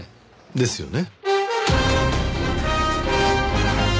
ですよね？